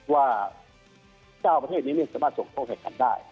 ว่า๙ประเทศนี้เนี่ยสามารถส่งโทษให้กันได้